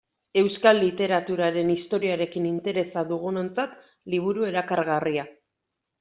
Euskal literaturaren historiarekin interesa dugunontzat liburu erakargarria.